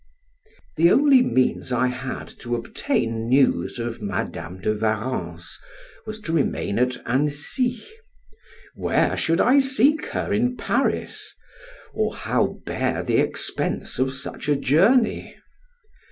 The only means I had to obtain news of Madam de Warrens was to remain at Annecy. Where should I seek her in Paris? or how bear the expense of such a journey?